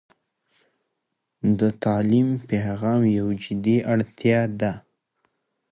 د تعلیم پیغام یو جدي اړتيا ده.